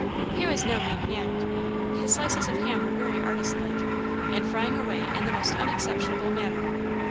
He was no mean hand: his slices of ham were very artist like, and frying away in the most unexceptionable manner.